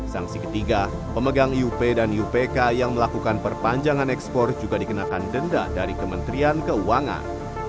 sanksi ketiga pemegang iup dan iupk yang melakukan perpanjangan ekspor juga dikenakan denda dari kementerian keuangan